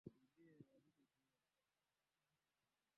kwa mujibu wa taarifa ya polisi wa mjini luxemburg